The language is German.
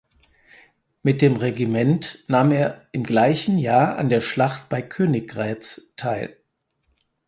Mit dem Regiment nahm er im gleichen Jahr an der Schlacht bei Königgrätz teil.